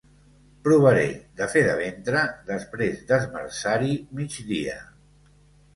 Provaré de fer de ventre després d'esmerçar-hi mig dia.